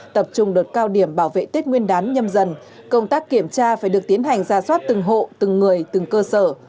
tập trung đợt cao điểm bảo vệ tết nguyên đán nhâm dần công tác kiểm tra phải được tiến hành ra soát từng hộ từng người từng cơ sở